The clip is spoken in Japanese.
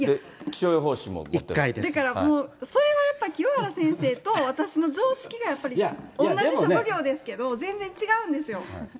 だからそれはやっぱり、清原先生と私の常識がやっぱり、同じ職業ですけど、全然違うんですよ。